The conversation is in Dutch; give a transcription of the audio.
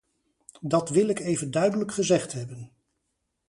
Dat wil ik even duidelijk gezegd hebben.